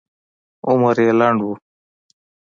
عمر یې لنډ و.